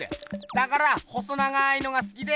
だから細長いのがすきで。